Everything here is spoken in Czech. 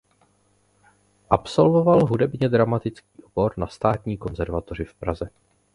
Absolvoval hudebně dramatický obor na Státní konzervatoři v Praze.